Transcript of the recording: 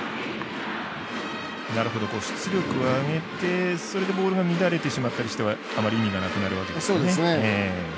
出力を上げてそれでボールが乱れてしまったりしたらあんまり意味がないわけですね。